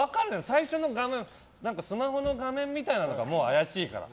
最初のスマホの画面みたいなのがもう怪しいから。